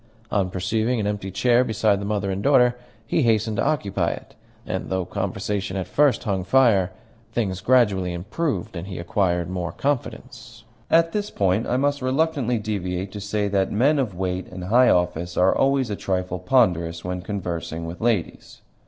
On perceiving an empty chair beside the mother and daughter, he hastened to occupy it, and though conversation at first hung fire, things gradually improved, and he acquired more confidence. At this point I must reluctantly deviate to say that men of weight and high office are always a trifle ponderous when conversing with ladies.